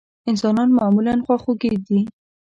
انسانان معمولا خواخوږي دي.